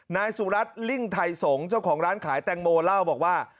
นายสุรัตน์ลิ่งไทยสงศ์เจ้าของร้านขายแตงโมเล่าบอกว่า